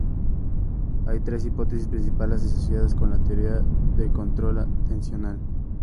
Hay tres hipótesis principales asociadas con la teoría de control atencional.